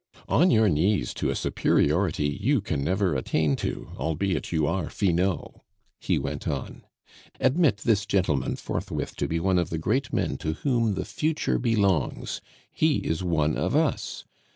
"On your knees to a superiority you can never attain to, albeit you are Finot!" he went on. "Admit this gentleman forthwith to be one of the great men to whom the future belongs; he is one of us!